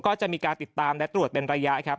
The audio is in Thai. ก็จะมีการติดตามและตรวจเป็นระยะครับ